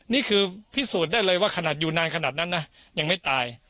นี่คือพิสูจน์ได้เลยว่าขนาดอยู่นานขนาดนั้นนะยังไม่ตาย